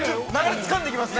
つかんでいきますね。